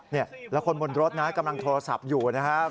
นี่แล้วคนบนรถนะกำลังโทรศัพท์อยู่นะครับ